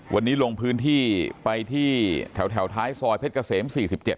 วันนี้ลงพื้นที่ไปที่แถวแถวท้ายซอยเพชรเกษมสี่สิบเจ็บ